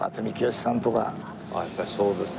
やっぱりそうですか。